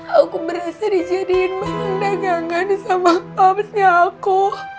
aku berasa dijadiin pengendang yang aneh sama papsnya aku